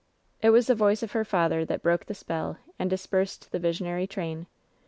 '' It was the voice of her father that broke the spell and dispersed the visionary train.